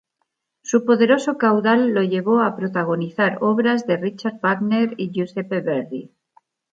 Su poderoso caudal lo llevó a protagonizar obras de Richard Wagner y Giuseppe Verdi.